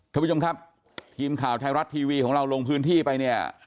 ท่านผู้ชมครับทีมข่าวไทยรัฐทีวีของเราลงพื้นที่ไปเนี่ย